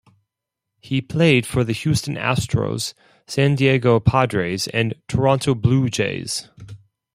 He played for the Houston Astros, San Diego Padres, and Toronto Blue Jays.